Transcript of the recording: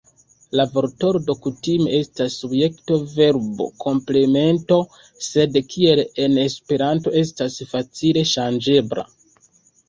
La vortordo kutime estas subjekto-verbo-komplemento, sed kiel en Esperanto estas facile ŝanĝebla.